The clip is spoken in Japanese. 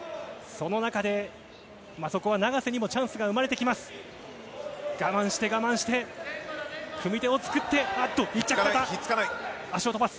その中で、そこは永瀬にもチャンスが生まれてきます。